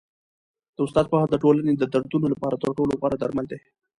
د استاد پوهه د ټولني د دردونو لپاره تر ټولو غوره درمل دی.